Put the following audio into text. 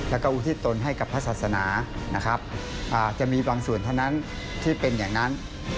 แล้วก็อุทิศตนให้กับพระศาสนานะครับจะมีบางส่วนเท่านั้นที่เป็นอย่างนั้น